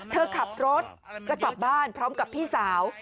เธอขับรถจะกลับบ้านพร้อมกับพี่สาว